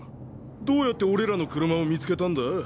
どうやって俺らの車を見つけたんだ？